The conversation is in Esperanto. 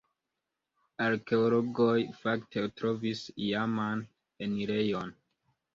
Arkeologoj fakte trovis iaman enirejon.